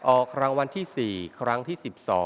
ออกรางวัลที่๔ครั้งที่๑๒